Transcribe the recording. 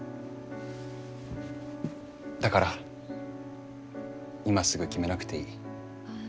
だから今すぐ決めなくていい。